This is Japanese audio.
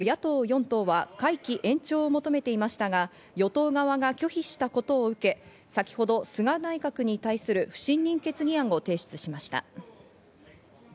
立憲民主党など野党４党は会期延長を求めていましたが与党側が拒否したことを受け、先ほど菅内閣に対する不信任決議案を提出しました。